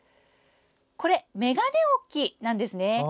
これ、眼鏡置きなんです。